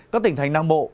các tỉnh thành nam bộ